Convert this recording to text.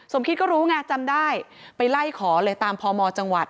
คิดก็รู้ไงจำได้ไปไล่ขอเลยตามพมจังหวัด